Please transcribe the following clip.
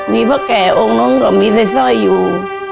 มีพระแก่องค์น้องก็มีใส่ซ่อยอยู่